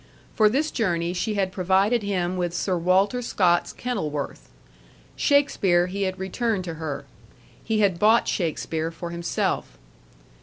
For this journey she had provided him with Sir Walter Scott's Kenilworth. Shakespeare he had returned to her. He had bought Shakespeare for himself.